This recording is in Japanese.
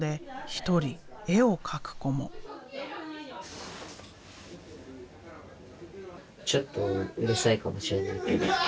ちょっとうるさいかもしれないけど楽しいです。